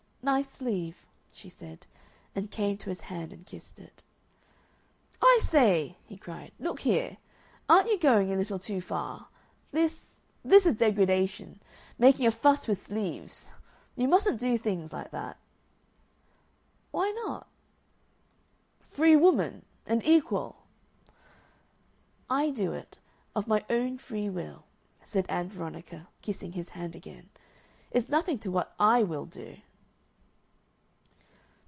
"Nice sleeve," she said, and came to his hand and kissed it. "I say!" he cried. "Look here! Aren't you going a little too far? This this is degradation making a fuss with sleeves. You mustn't do things like that." "Why not?" "Free woman and equal." "I do it of my own free will," said Ann Veronica, kissing his hand again. "It's nothing to what I WILL do."